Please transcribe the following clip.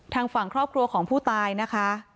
ทางฝั่งครอบครัวของผู้ตายนะคะ